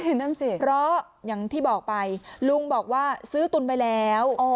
นั่นสิเพราะอย่างที่บอกไปลุงบอกว่าซื้อตุนไปแล้ว